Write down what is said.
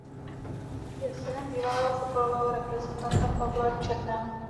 Je synem bývalého fotbalového reprezentanta Pavla Černého.